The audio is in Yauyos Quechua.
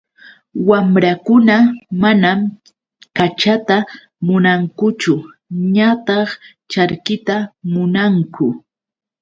Wamrakuna manam kachata munankuchu ñataq charkita munanku.